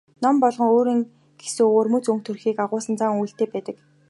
Ном болгон өөрийн гэсэн өвөрмөц өнгө төрхийг агуулсан зан үйлтэй байдаг.